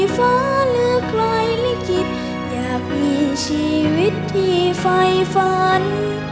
ก็เลือกรายลิขิตอยากมีชีวิตที่ฝ่ายฝัน